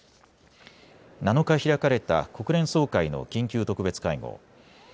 ７日、開かれた国連総会の緊急特別会合。